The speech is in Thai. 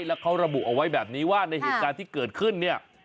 แล้วเขาระบุเอาไว้แบบนี้ว่าในเหตุการณ์ที่เกิดขึ้นเนี่ย